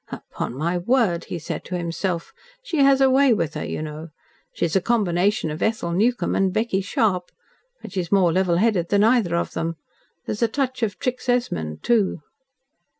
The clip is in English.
"Upon my word," he said to himself. "She has a way with her, you know. She is a combination of Ethel Newcome and Becky Sharp. But she is more level headed than either of them, There's a touch of Trix Esmond, too."